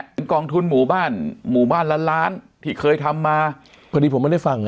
เป็นกองทุนหมู่บ้านหมู่บ้านล้านล้านที่เคยทำมาพอดีผมไม่ได้ฟัง